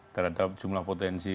terhadap jumlah potensi